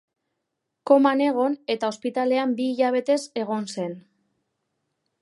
Koman egon eta ospitalean bi hilabetez egon zen.